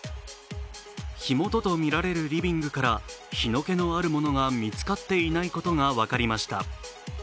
火元とみられるリビングから火の気のあるものが見つかっていないことが分かりました。